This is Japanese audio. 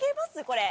これ。